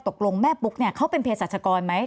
ตกลงแม่ปุ๊กเขาเป็นเพชรศักรณ์ไหม